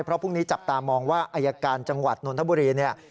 เพราะพรุ่งนี้จับตามองว่าอายการจังหวัดนนทบุรีเนี่ย